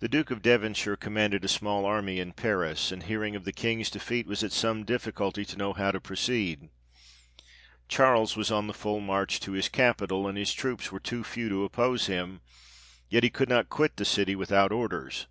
The Duke of Devonshire commanded a small army in Paris, and hearing of the King's defeat, was at some difficulty to know how to proceed. Charles was on the full march to his capital, and his troops were too few to oppose him yet he could not quit the city without orders.